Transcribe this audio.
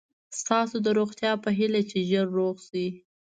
ستاسو د روغتیا په هیله چې ژر روغ شئ.